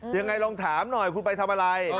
ยังไงลองถามหน่อยคุณไปทำอะไร